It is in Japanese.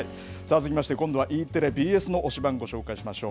続きましてＢＳ、Ｅテレの推しバン！を紹介しましょう。